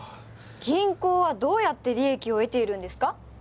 銀行はどうやって利益を得ているんですか？